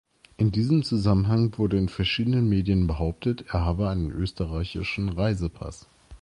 In diesem Zusammenhang wurde in verschiedenen Medien behauptet, er habe einen österreichischen Reisepass.